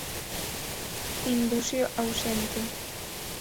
Indusio ausente.